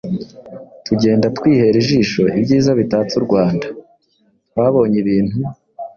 tugenda twihera ijisho ibyiza bitatse u Rwanda. Twabonye ibintu